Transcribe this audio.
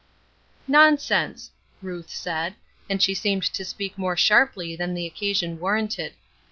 "Nonsense!" Ruth said, and she seemed to speak more sharply than the occasion warranted.